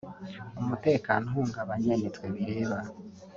“Umutekano uhungabanye nitwe bireba